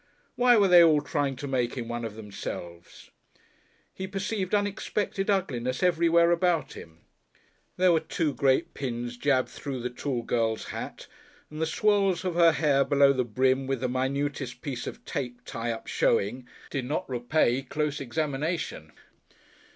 Why were they all trying to make him one of themselves? He perceived unexpected ugliness everywhere about him. There were two great pins jabbed through the tall girl's hat, and the swirls of her hair below the brim with the minutest piece of tape tie up showing did not repay close examination.